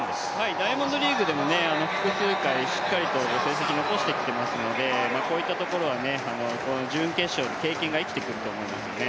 ダイヤモンドリーグでも複数回しっかりと成績残してきてますのでこういったところは準決勝の経験が生きてくると思いますよね。